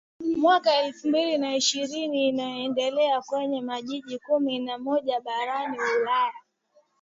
mwaka elfu mbili na ishirini inayoendelea kwenye majiji kumi na moja barani Ulaya